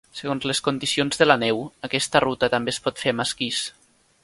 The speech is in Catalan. Segons les condicions de la neu, aquesta ruta també es pot fer amb esquís.